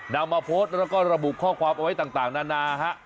นำมาโพสต์แล้วก็ระบุข้อความเอาไว้ต่างนานาฮะ